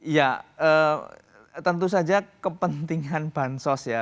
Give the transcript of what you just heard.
ya tentu saja kepentingan bahan sos ya